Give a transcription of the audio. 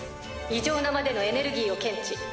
異常なまでのエネルギーを検知。